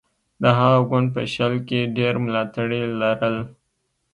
د هغه ګوند په شل کې ډېر ملاتړي لرل.